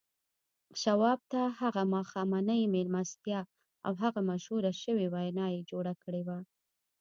شواب ته هغه ماښامنۍ مېلمستیا او هغه مشهوره شوې وينا يې جوړه کړې وه.